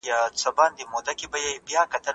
په ویاله کي دي زوال وینم نهنګه